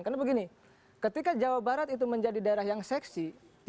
karena begini ketika jawa barat itu menjadi daerah yang seksi